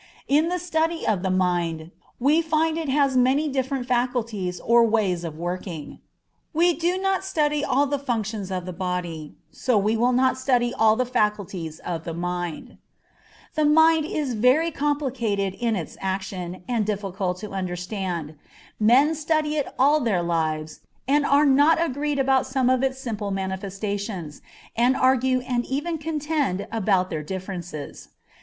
In the study of the mind, we find it has many different faculties or ways of working. We did not study all the functions of the body, so we will not study all the faculties of the mind. The mind is very complicated in its action, and difficult to understand. Men study it all their lives and are not agreed about some of its simple manifestations, and argue and even contend about their differences.